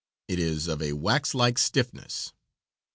It is of a wax like stiffness.